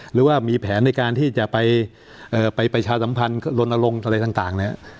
หรือว่ามีแผนในการที่จะไปเอ่อไปไปชาวสัมพันธ์ลนอลงอะไรต่างต่างนะฮะ